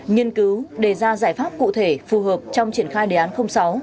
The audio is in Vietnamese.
nghiên cứu đề ra giải pháp cụ thể phù hợp trong triển khai đề án sáu